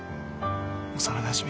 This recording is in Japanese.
幼なじみ